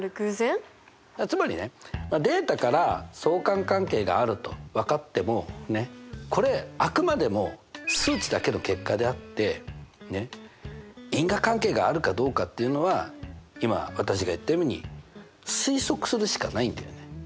つまりねデータから相関関係があると分かってもこれあくまでも数値だけの結果であって因果関係があるかどうかっていうのは今私が言ったように推測するしかないんだよね。